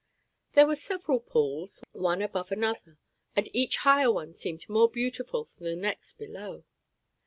There were several pools, one above another, and each higher one seemed more beautiful than the next below.